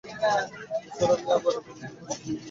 নিসার আলি আবার বেঞ্চিতে বসে পড়লেন।